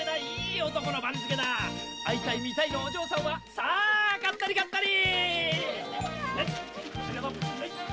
会いたい見たいのお嬢さんはさあ買ったり買ったり！